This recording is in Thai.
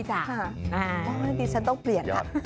ช่วงนี้ฉันต้องเปลี่ยน